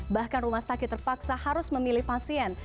bahkan rumah sakit terpaksa harus memilih pasien